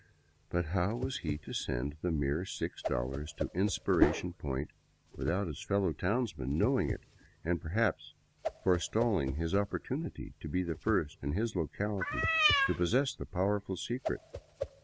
But how was he to send the mere $6 to Inspiration Point without his fellow townsmen know ing it and perhaps forestalling his opportunity to be the first in his locality to possess the powerful secret?